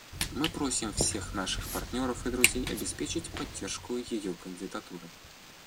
Мы просим всех наших партнеров и друзей обеспечить поддержку ее кандидатуры.